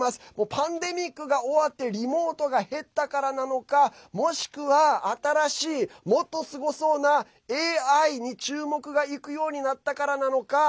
パンデミックが終わってリモートが減ったからなのかもしくは新しいもっとすごそうなＡＩに注目がいくようになったからなのか。